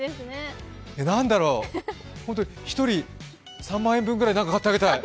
何だろう、ホントに１人、３万円ぐらい何か買ってあげたい。